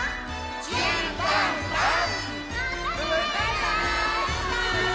じゅんばんばん！